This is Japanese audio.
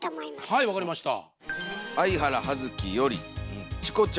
はい分かりました。